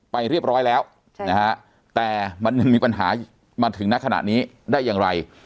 ไปเรียบร้อยแล้วแต่มันยังมีปัญหามาถึงณขณะนี้ได้อย่างไร